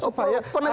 supaya ada kesamaan